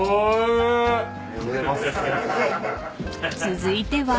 ［続いては］